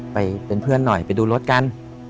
ไปเป็นเพื่อนหน่อยไปดูรถกัน